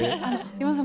今田さん